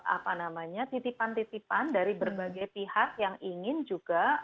apa namanya titipan titipan dari berbagai pihak yang ingin juga